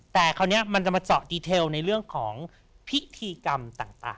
แต่คราวนี้มันจะมาเจาะดีเทลในเรื่องของพิธีกรรมต่าง